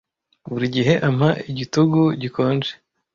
Buri gihe ampa igitugu gikonje.